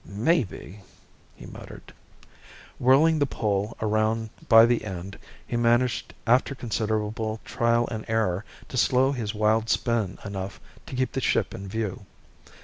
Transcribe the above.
"Maybe ..." he muttered. Whirling the pole around by the end, he managed after considerable trial and error, to slow his wild spin enough to keep the ship in view.